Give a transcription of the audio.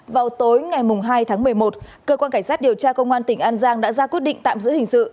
vào tối ngày hai tháng một mươi một cơ quan cảnh sát điều tra công an tỉnh an giang đã ra quyết định tạm giữ hình sự